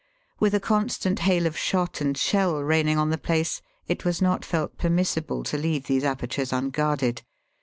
With a constant hail of shot and shell raining on the place it was not felt permissible to leave these apertures unguarded.